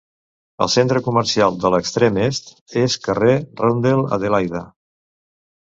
El centre comercial de l'extrem est és carrer Rundle, Adelaida.